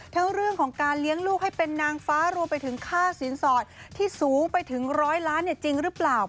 เรื่องของการเลี้ยงลูกให้เป็นนางฟ้ารวมไปถึงค่าสินสอดที่สูงไปถึงร้อยล้านจริงหรือเปล่า